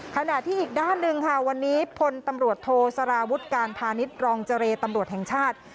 ขณะที่อีกด้านหนึ่งค่ะวันนี้พลตำรวจโทสารวุฒิการพาณิชย์รองเจรตำรวจแห่งชาติ